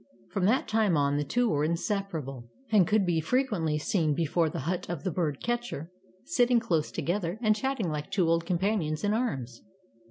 From that time on, the two were in separable, and could be frequently seen before the hut of the bird catcher, sitting close together, and chatting like two old companions in arms.